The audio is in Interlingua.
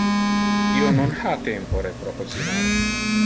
Io non ha tempore pro cocinar.